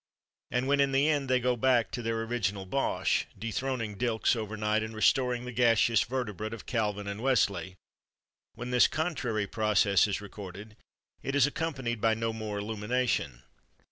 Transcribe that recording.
And when, in the end, they go back to their original bosh, dethroning Dylks overnight and restoring the gaseous vertebrate of Calvin and Wesley—when this contrary process is recorded, it is accompanied by no more illumination.